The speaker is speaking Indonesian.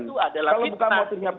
itu adalah hitnah